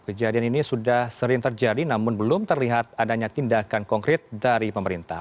kejadian ini sudah sering terjadi namun belum terlihat adanya tindakan konkret dari pemerintah